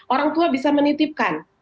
orang tua bisa menitipkan